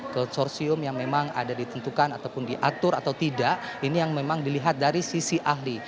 coutsorsium yang memang ada ditentukan ataupun diatur atau tidak ini yang memang dilihat dari sisi ahli